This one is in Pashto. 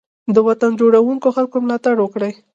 د وطن جوړونکو خلګو ملاتړ وکړئ.